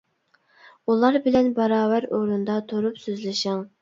ئۇلار بىلەن باراۋەر ئورۇندا تۇرۇپ سۆزلىشىڭ.